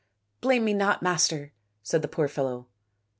" Blame me not, master," said the poor fellow.